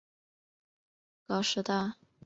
高师大附中的制服有高中部和国中部两种。